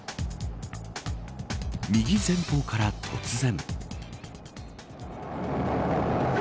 右前方から突然。